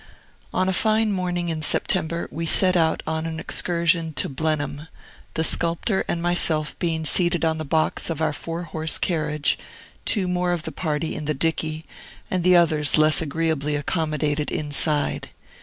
On a fine morning in September we set out on an excursion to Blenheim, the sculptor and myself being seated on the box of our four horse carriage, two more of the party in the dicky, and the others less agreeably accommodated inside.